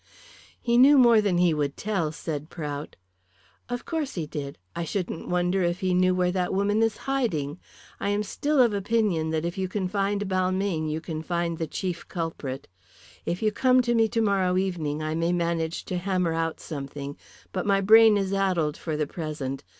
"He knew more than he would tell," said Prout. "Of course he did. I shouldn't wonder if he knew where that woman is hiding. I am still of opinion that if you can find Balmayne you can find the chief culprit. If you come to me tomorrow evening I may manage to hammer out something, but my brain is addled for the present.